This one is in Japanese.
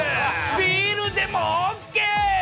ビールでもＯＫ。